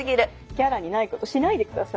キャラにないことしないで下さい。